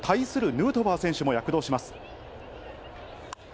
ヌートバー選手も躍動します。